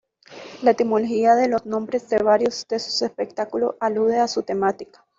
La etimología de los nombres de varios de sus espectáculos alude a su temática.